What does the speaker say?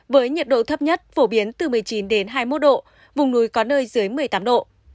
với nhiệt độ thấp nhất phổ biến từ một mươi chín đến hai mươi một độ vùng núi có nơi dưới một mươi tám độ